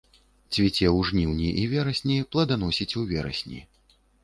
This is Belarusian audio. Цвіце ў жніўні і верасні, плоданасіць у верасні.